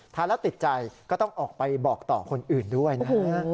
ทานแล้วติดใจก็ต้องออกไปบอกต่อคนอื่นด้วยนะฮะ